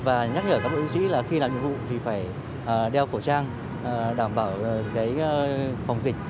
và nhắc nhở các bộ y sĩ là khi làm nhiệm vụ thì phải đeo khẩu trang đảm bảo phòng dịch